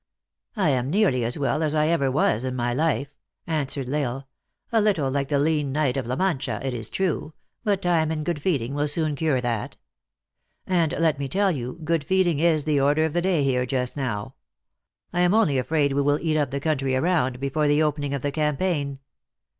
"I am nearly as well as 1 ever was in my life," answered L Isle ;" a little like the lean knight of La Mancha, it is true, but time and good feeding will soon cure that. And, let me tell you, good feeding is the order of the day here just now. I am only afraid we will eat up the country around, before the opening of the campaign.